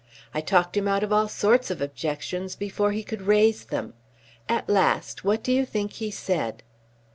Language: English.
I talked him out of all sorts of objections before he could raise them. At last what do you think he said?"